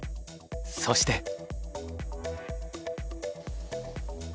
そして。